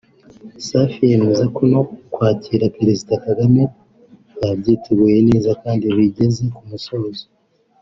Safari yemeza ko no kwakira Perezida Kagame babyiteguye neza kandi bigeze ku musozo